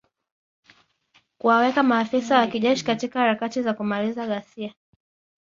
kuwaweka maafisa wa kijeshi katika harakati za kumaliza ghasia